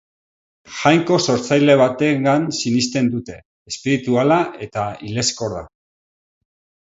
Jainko sortzaile batengan sinesten dute, espirituala eta hilezkorra.